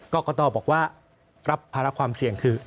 กรกตบอกว่ารับภาระความเสี่ยงคือ